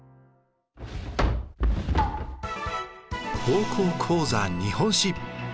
「高校講座日本史」。